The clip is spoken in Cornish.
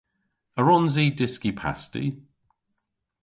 A wrons i dybri pasti?